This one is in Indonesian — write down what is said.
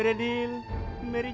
jangan makan aku